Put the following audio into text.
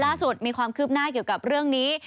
ล่าสุดมีความคืบหน้าเกี่ยวกับเรื่องนี้